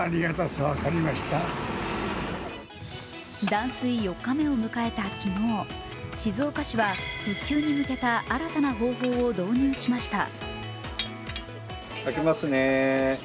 断水４日目を迎えた昨日、静岡市は復旧に向けた新たな方法を導入しました。